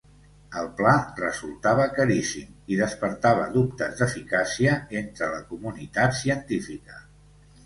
El pla resultava caríssim i despertava dubtes d'eficàcia entre la comunitat científica.